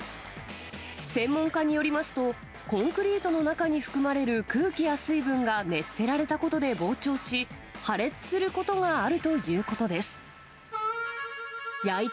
専門家によりますと、コンクリートの中に含まれる空気や水分が熱せられたことで膨張し、破裂することがあるということです。